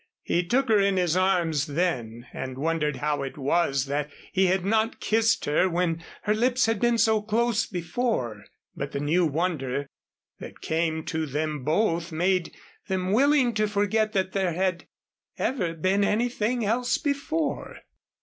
He took her in his arms then, and wondered how it was that he had not kissed her when her lips had been so close before. But the new wonder that came to them both made them willing to forget that there had ever been anything else before.